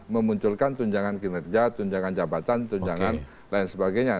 memunculkan tunjangan kinerja tunjangan jabatan tunjangan lain sebagainya